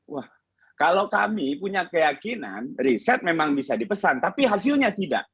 wah kalau kami punya keyakinan riset memang bisa dipesan tapi hasilnya tidak